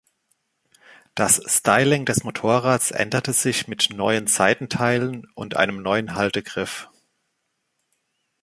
Das Styling des Motorrads änderte sich mit neuen Seitenteilen und einem neuen Haltegriff.